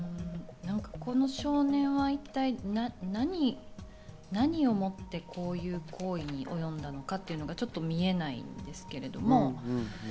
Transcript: この少年は一体、何をもってこういう行為に及んだのか、ちょっと見えないんですけど。